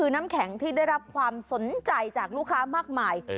น้ำแข็งที่ได้รับความสนใจจากลูกค้ามากมาย